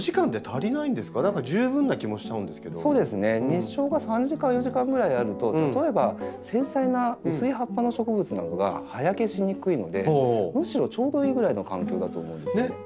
日照が３時間４時間ぐらいあると例えば繊細な薄い葉っぱの植物などが葉焼けしにくいのでむしろちょうどいいぐらいの環境だと思うんですね。